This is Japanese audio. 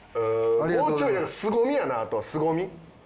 もうちょいすごみやなあとはすごみ。